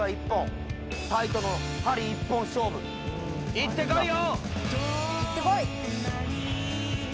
いってこいよ！